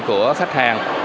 của khách hàng